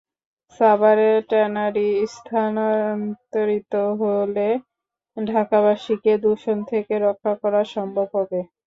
সাভারে ট্যানারি স্থানান্তরিত হলে ঢাকাবাসীকে দূষণ থেকে রক্ষা করা সম্ভব হবে।